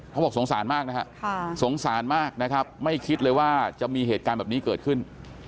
บอกสงสารมากนะฮะสงสารมากนะครับไม่คิดเลยว่าจะมีเหตุการณ์แบบนี้เกิดขึ้น